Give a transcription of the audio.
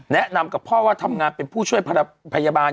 แนะนำกับพ่อว่าทำงานเป็นผู้ช่วยพยาบาล